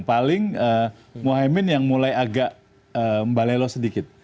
paling muhaymin yang mulai agak mbalelo sedikit